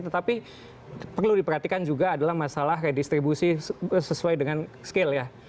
tetapi perlu diperhatikan juga adalah masalah redistribusi sesuai dengan skill ya